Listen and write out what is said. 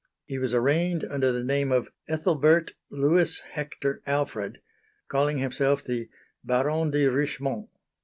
He was arraigned under the name of "Ethelbert Louis Hector Alfred," calling himself the "Baron de Richmont."